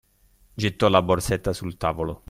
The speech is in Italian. Gettò la borsetta sul tavolo.